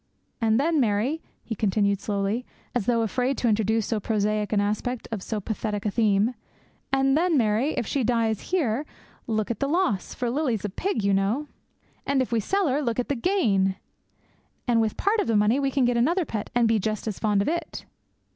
And then, Mary,' he continued slowly, as though afraid to introduce so prosaic an aspect of so pathetic a theme, 'and then, Mary, if she dies here, look at the loss, for Lily's a pig, you know! And if we sell her, look at the gain! And with part of the money we can get another pet, and be just as fond of it.'